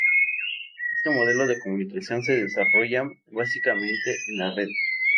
Este modelo de comunicación se desarrolla básicamente en la Red.